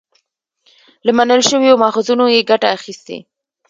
له منل شويو ماخذونو يې ګټه اخستې